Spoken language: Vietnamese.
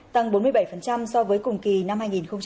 tăng bốn mươi bảy so với cùng kỳ năm hai nghìn một mươi tám